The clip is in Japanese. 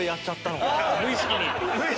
無意識に。